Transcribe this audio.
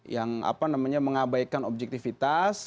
yang apa namanya mengabaikan objektifitas